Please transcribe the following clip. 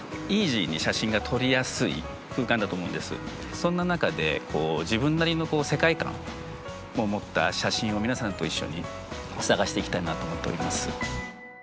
そんな中で自分なりの世界観を持った写真を皆さんと一緒に探していきたいなと思っております。